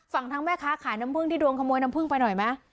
ฟังทั้งแม่ค้าขายน้ำพึ่งที่โดนขโมยน้ำพึ่งไปหน่อยไหม